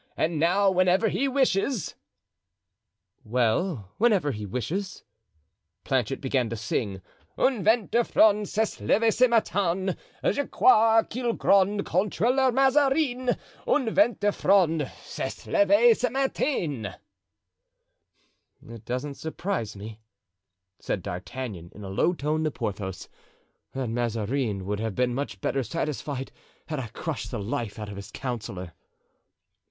And now, whenever he wishes——" "Well, whenever he wishes?" Planchet began to sing: "Un vent de fronde S'est leve ce matin; Je crois qu'il gronde Contre le Mazarin. Un vent de fronde S'est leve ce matin." "It doesn't surprise me," said D'Artagnan, in a low tone to Porthos, "that Mazarin would have been much better satisfied had I crushed the life out of his councillor."